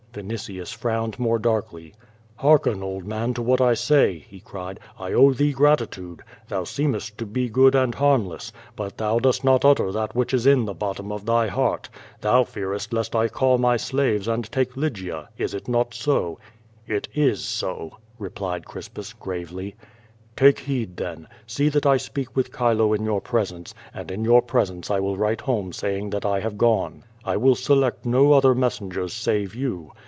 Vinitius frowned more darkly. "Hearken, old man, to what I say," he cried. "T owe thee gratitude. Thou scemest to be good and harmless. Hut thou dost not utter that which is in the bottom of thy heart. Thou fearest lest I call my slaves and take Lygia. Is it not so?" «i It is so," replied Crispus, gravely. "Take heed, then. See that I speak with Chilo in your presence, and in your presence I will write home saying that I have gone. I will select no other messengers save you.